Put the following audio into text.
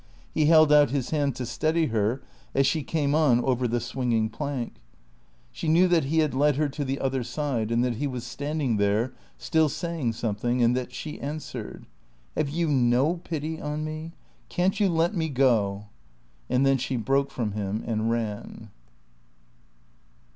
He held out his hand to steady her as she came on over the swinging plank. She knew that he had led her to the other side, and that he was standing there, still saying something, and that she answered. "Have you no pity on me? Can't you let me go?" And then she broke from him and ran.